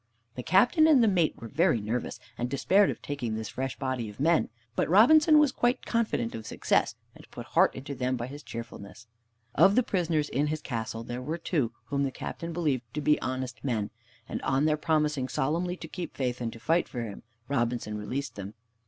The Captain and mate were very nervous, and despaired of taking this fresh body of men, but Robinson was quite confident of success, and put heart into them by his cheerfulness. Of the prisoners in his castle, there were two whom the Captain believed to be honest men, and on their promising solemnly to keep faith, and to fight for him, Robinson released them.